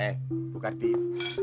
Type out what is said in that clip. eh buka pintu